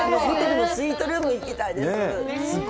ホテルもスイートローム、行きたいです！